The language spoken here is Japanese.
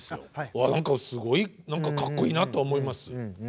わあ何かすごい何かかっこいいなと思います。